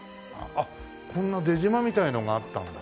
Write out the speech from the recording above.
あっこんな出島みたいなのがあったんだ。